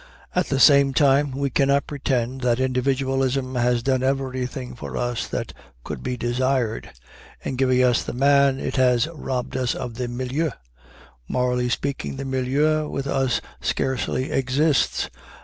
At the same time we cannot pretend that individualism has done everything for us that could be desired. In giving us the man it has robbed us of the milieu. Morally speaking, the milieu with us scarcely exists.